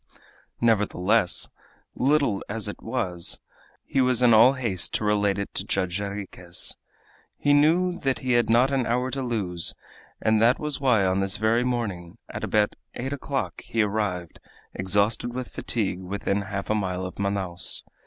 Nevertheless, little as it was, he was in all haste to relate it to Judge Jarriquez. He knew that he had not an hour to lose, and that was why on this very morning, at about eight o'clock, he arrived, exhausted with fatigue, within half a mile of Manaos.